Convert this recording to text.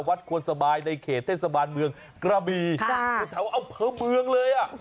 วัดควรสบายในเขตเทศบาลเมืองกระบีแถวเอาเพิ่มเมืองเลย